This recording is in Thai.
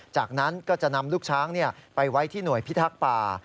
จากนั้นก็จะนำลูกช้างไปไว้ที่หน่วยพิทักษ์ป่า